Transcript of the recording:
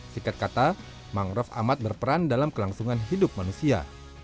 sikat kata mangrove amat berperan dalam kelangsungan hidup manusia